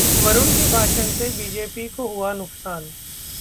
'वरुण के भाषण से बीजेपी को हुआ नुकसान'